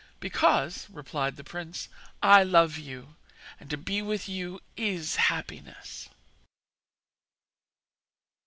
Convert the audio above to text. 'Because,' replied the prince, 'I love you, and to be with you is happiness.'